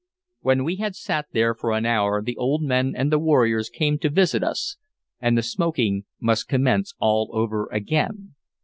When we had sat there for an hour the old men and the warriors came to visit us, and the smoking must commence all over again.